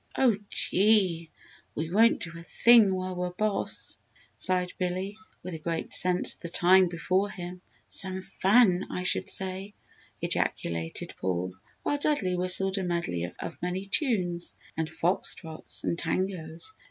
"Oh, gee! we won't do a thing while we're boss!" sighed Billy, with a great sense of the time before him. "Some fun I should say!" ejaculated Paul, while Dudley whistled a medley of many tunes and fox trots and tangos.